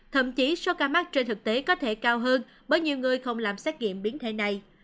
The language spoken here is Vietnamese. thậm chí số ca mắc trên thực tế có thể cao hơn bởi nhiều người không làm xét nghiệm biến thể này